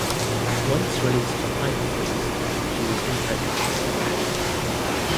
Once released from Hyperfreeze she was impregnated.